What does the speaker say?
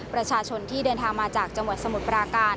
ประชาชนที่เดินทางมาจากจังหวัดสมุทรปราการ